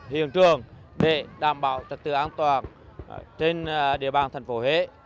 hiện trường để đảm bảo chật tự an toàn trên địa bàn tp huế